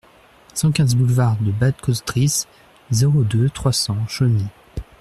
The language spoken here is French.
cent quinze boulevard de Bad Kostritz, zéro deux, trois cents, Chauny